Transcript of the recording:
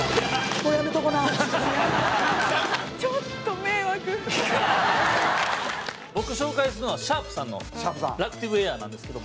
水田：僕が紹介するのはシャープさんのラクティブエアなんですけども。